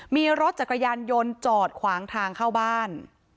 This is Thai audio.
มีรถจักรยานยนต์จอดขวางทางเข้าบ้าน